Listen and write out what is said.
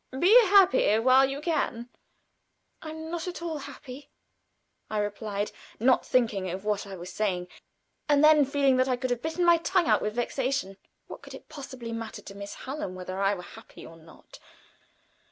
Be happy while you can." "I am not at all happy," I replied, not thinking of what I was saying, and then feeling that I could have bitten my tongue out with vexation. What could it possibly matter to Miss Hallam whether I were happy or not?